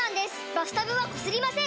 バスタブはこすりません！